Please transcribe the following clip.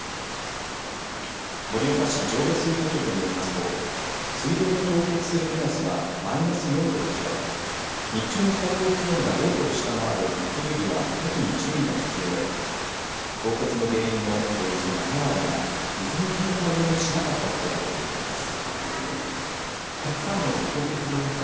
盛岡市上下水道局によりますと水道の凍結する目安はマイナス４度とされ日中の最高気温が０度を下回る真冬日は特に注意が必要で凍結の原因のおよそ７割が水抜きの対応をしなかったことだということです。